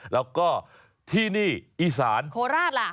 แล้วก็ที่นี่อีสานโคราชล่ะ